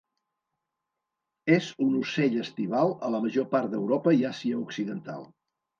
És un ocell estival a la major part d'Europa i Àsia Occidental.